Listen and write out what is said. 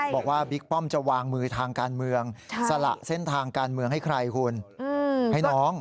บิ๊กป้อมจะวางมือทางการเมืองสละเส้นทางการเมืองให้ใครคุณให้น้อง